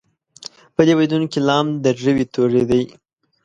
په دې بیتونو کې لام د روي توری دی.